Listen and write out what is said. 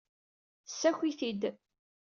Ssakit-t-id.